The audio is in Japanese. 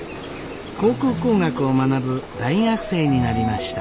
航空工学を学ぶ大学生になりました。